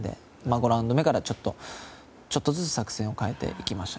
５ラウンド目から、ちょっとずつ作戦を変えていきました。